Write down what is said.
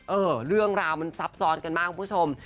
เออเรื่องราวมันซับซ้อนกันมากคุณผู้ชม